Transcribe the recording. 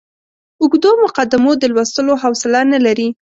اوږدو مقدمو د لوستلو حوصله نه لري.